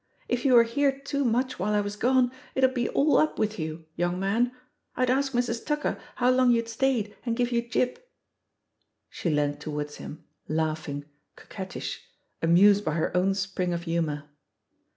If you were here too much while I was gone it'd be all up with you, young man — I'd ask Mrs. Tucker how long you'd stayed and THE POSITION OF PEGGY HARPER 96 give you jip." She leant towards him, laugh ing, coquettish, amused by her own spring of himiour.